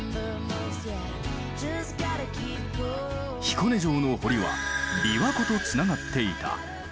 彦根城の堀は琵琶湖とつながっていた。